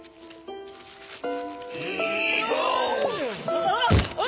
あっ！